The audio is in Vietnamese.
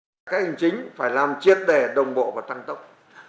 các hành chính phải làm triệt đề đồng bộ và tăng tốc